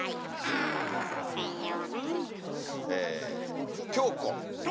あ専用ね。